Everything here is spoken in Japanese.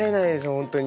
本当に。